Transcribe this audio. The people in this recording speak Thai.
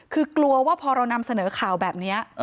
คือกลัวว่าพอเรานำเสนอข่าวแบบนี้